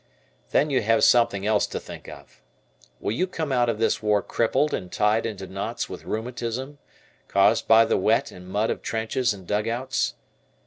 Then you have something else to think of. Will you come out of this war crippled and tied into knots with rheumatism, caused by the wet and mud of trenches and dugouts?